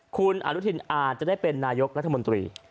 คุณอนุทินอาจจะได้เป็นนายกรัฐมนตรี